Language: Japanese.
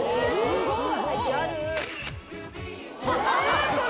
すごい。